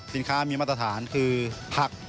สินค้ามีมาตรฐานคือผัก